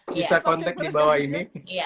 bisa kontak di bawah ini